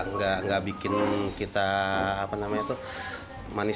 asus ini lebih positif agar tidak telah membuat morgen read